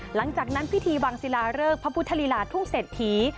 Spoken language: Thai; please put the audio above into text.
หลังจากนั้นพิธีวังศิลาเริกพระพุทธลีลาทุ่งเศรษฐี